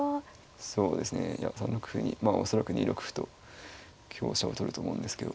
そうですねいや３六歩に恐らく２六歩と香車を取ると思うんですけど。